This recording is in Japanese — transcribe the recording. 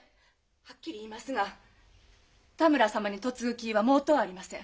はっきり言いますが多村様に嫁ぐ気は毛頭ありません。